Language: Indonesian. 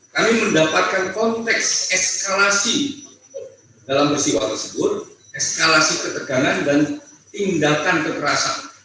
kami mendapatkan konteks eskalasi dalam peristiwa tersebut eskalasi ketegangan dan tindakan kekerasan